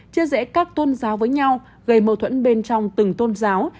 chia rẽ các tôn giáo với nhau gây mâu thuẫn bên trong từng tôn giáo